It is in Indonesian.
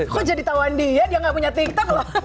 kok jadi tawan dia dia gak punya tiktok loh